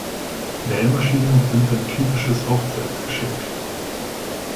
Nähmaschinen sind ein typisches Hochzeitsgeschenk.